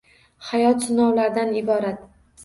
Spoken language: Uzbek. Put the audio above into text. Hayot sinovlardan iborat.